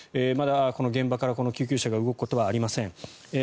まだこの現場から救急車が動くことはありません。